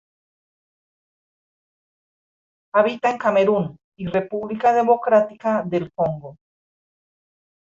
Habita en Camerún y República Democrática del Congo.